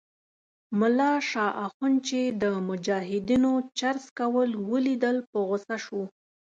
ملا شال اخند چې د مجاهدینو چرس څکول ولیدل په غوسه شو.